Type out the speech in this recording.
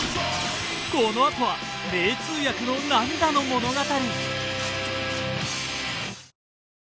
この後は名通訳の涙の物語。